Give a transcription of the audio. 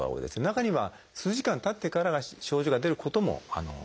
中には数時間たってから症状が出ることもあります。